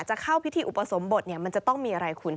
จะเข้าพิธีอุปสมบทมันจะต้องมีอะไรคุณ